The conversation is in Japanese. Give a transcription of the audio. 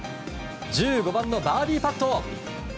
１５番のバーディーパット。